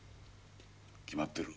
決まってる。